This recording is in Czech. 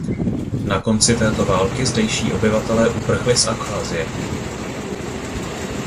Na konci této války zdejší obyvatelé uprchli z Abcházie.